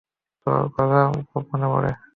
তোর কথা খুব মনে পড়ে।